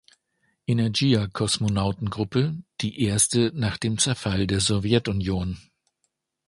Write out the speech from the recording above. Energija-Kosmonautengruppe, die erste nach dem Zerfall der Sowjetunion.